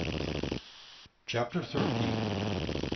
CHAPTER THIRTEEN.